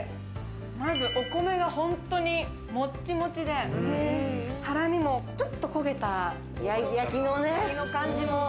まずお米が本当にもっちもちで、ハラミも、ちょっと焦げた焼きの感じも。